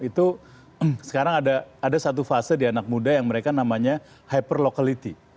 itu sekarang ada satu fase di anak muda yang mereka namanya hyper locality